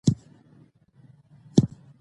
علامه حبيبي د علمي ژور تحلیل پلوی و.